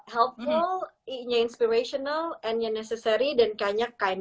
helpful i nya inspirational n nya necessary dan k nya kind